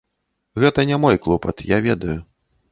Гэта не мой клопат, я ведаю.